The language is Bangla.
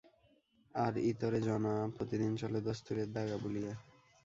আর ইতরে জনাঃ প্রতিদিন চলে দস্তুরের দাগা বুলিয়ে।